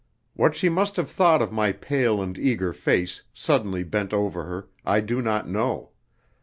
What she must have thought of my pale and eager face, suddenly bent over her, I do not know.